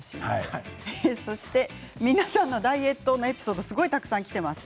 皆さんのダイエットエピソードたくさんきています。